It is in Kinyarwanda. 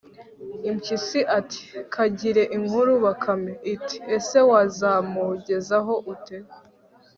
impyisi ati 'kagire inkuru bakame. iti 'ese wazamungezaho ute